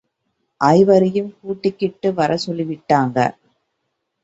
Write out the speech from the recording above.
ஐயரையுங் கூட்டிக்கிட்டு வரச் சொல்லி விட்டாங்க.